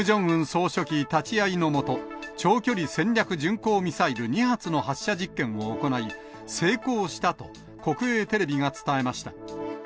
総書記立ち会いの下、長距離戦略巡航ミサイル２発の発射実験を行い、成功したと、国営テレビが伝えました。